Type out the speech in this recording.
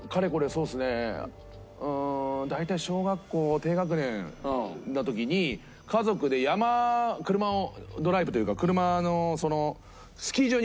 うーん大体小学校低学年の時に家族で山車をドライブというか車の。